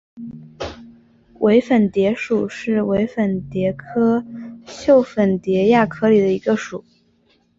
伪粉蝶属是粉蝶科袖粉蝶亚科里的一个属。